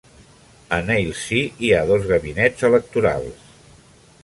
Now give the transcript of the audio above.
A "Nailsea" hi ha dos gabinets electorals.